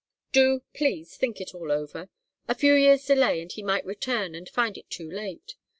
Do, please, think it all over. A few years' delay, and he might return and find it too late.